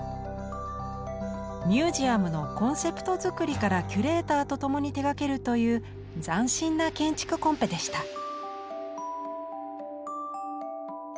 ミュージアムのコンセプト作りからキュレーターと共に手がけるという斬新な建築コンペでした。